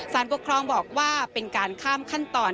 ปกครองบอกว่าเป็นการข้ามขั้นตอน